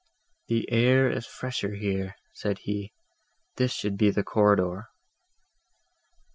"The air is fresher here," said he: "this should be the corridor."